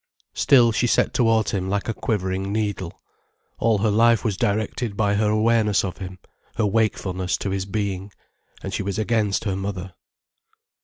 Still she set towards him like a quivering needle. All her life was directed by her awareness of him, her wakefulness to his being. And she was against her mother.